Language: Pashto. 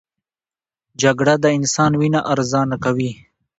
جګړه د انسان وینه ارزانه کوي